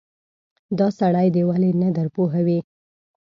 دا سړی دې ولې نه درپوهوې.